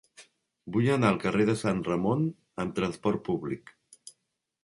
Vull anar al carrer de Sant Ramon amb trasport públic.